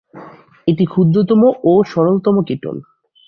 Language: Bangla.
এটি ক্ষুদ্রতম ও সরলতম কিটোন।